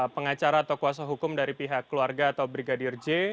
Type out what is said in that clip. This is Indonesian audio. pengacara atau kuasa hukum dari pihak keluarga atau brigadir j